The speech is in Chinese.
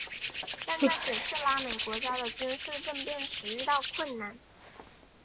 但在解释拉美国家的军事政变时遇到困难。